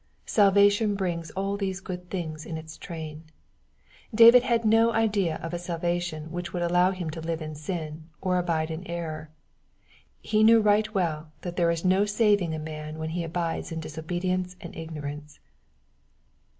Salvation brings all these good things in its train. David had no idea of a salvation which would allow him to live in sin, or abide in error : he knew right well that there is no saving a man while he abides in disobedience and ignorance.